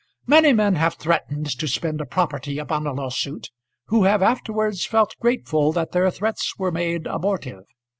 Many men have threatened to spend a property upon a lawsuit who have afterwards felt grateful that their threats were made abortive.